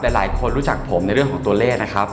แต่หลายคนรู้จักผมในเรื่องของตัวเลขนะครับ